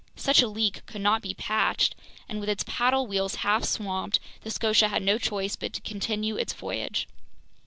Such a leak could not be patched, and with its paddle wheels half swamped, the Scotia had no choice but to continue its voyage.